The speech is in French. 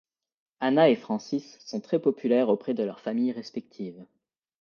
Anna et Francis sont très populaires auprès de leurs familles respectives.